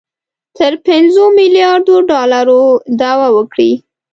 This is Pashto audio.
تر پنځو میلیاردو ډالرو دعوه وکړي